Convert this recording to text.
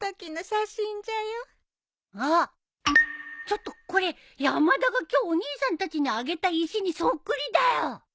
ちょっとこれ山田が今日お兄さんたちにあげた石にそっくりだよ！